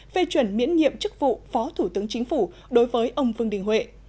về chuẩn miễn nhiệm chức vụ phó thủ tướng chính phủ đối với ông vương đình huệ